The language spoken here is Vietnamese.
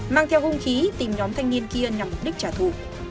mang theo hung khí tìm nhóm thanh niên kia nhằm mục đích trả thù